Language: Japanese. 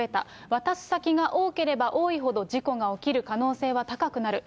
渡す先が多ければ多いほど、事故が起きる可能性は高くなる。